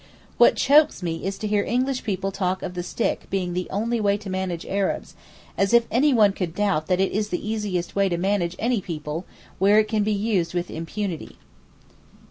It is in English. What chokes me is to hear English people talk of the stick being 'the only way to manage Arabs' as if anyone could doubt that it is the easiest way to manage any people where it can be used with impunity.